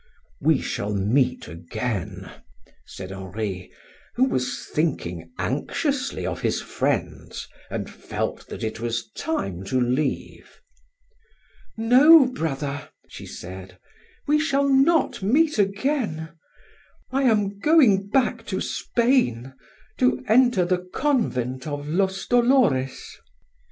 "We shall meet again," said Henri, who was thinking anxiously of his friends and felt that it was time to leave. "No, brother," she said, "we shall not meet again. I am going back to Spain to enter the Convent of los Dolores."